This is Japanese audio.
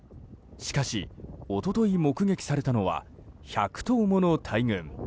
しかし、一昨日目撃されたのは１００頭もの大群。